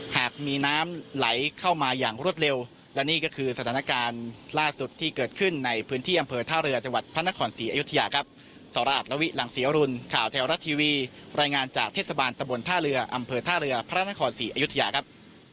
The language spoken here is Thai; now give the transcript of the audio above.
หากมีน้ำไหลเข้ามาอย่างรวดเร็วและนี่ก็คือสถานการณ์ล่าสุดที่เกิดขึ้นในพื้นที่อำเภอท่าเรือจังหวัดพระนครศรีอยุธยาครับ